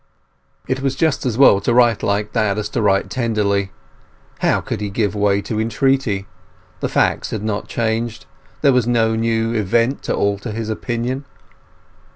It was just as well to write like that as to write tenderly. How could he give way to entreaty? The facts had not changed: there was no new event to alter his opinion.